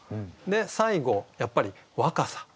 最後やっぱり「若さ」。